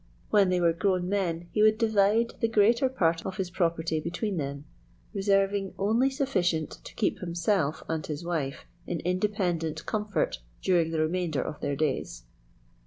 When they were grown men he would divide the greater part of his property between them, reserving only sufficient to keep himself and his wife in independent comfort during the remainder of their days.